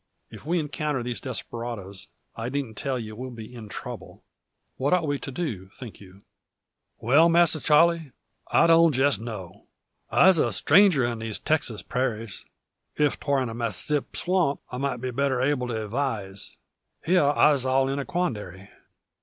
If we encounter these desperadoes, I needn't tell you we'll be in trouble. What ought we to do, think you?" "Well Masser Charle, I don't jest know. I'se a stranger on these Texas prairies. If 'twar in a Massissip swamp, I might be better able to advise. Hyar I'se all in a quandairy."